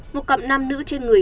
một cặp nam nữ trên người